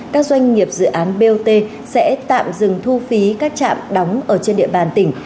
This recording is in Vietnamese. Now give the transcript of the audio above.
các doanh nghiệp dự án bot sẽ tạm dừng thu phí các trạm đóng ở trên địa bàn tỉnh